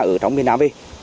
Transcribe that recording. ở trong việt nam